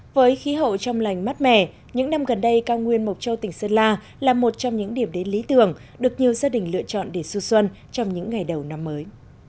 với khí hậu trong lành mát mẻ những năm gần đây cao nguyên mộc châu tỉnh sơn la là một trong những điểm đến lý tưởng được nhiều gia đình lựa chọn để du xuân trong những ngày đầu năm mới